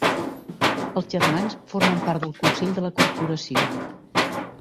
Els germans formen part del consell de la corporació.